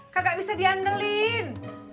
kagak bisa diandelin